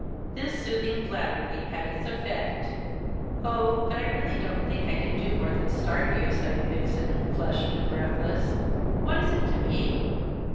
This soothing flattery had its effect. "Oh, but I really don't think I can do more than start you," sighed Vixen, flushed and breathless, "what is it to be?"